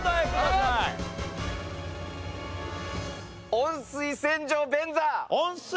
温水洗浄便座